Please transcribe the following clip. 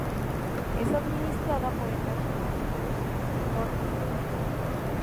Es administrada por el National Trust for Scotland.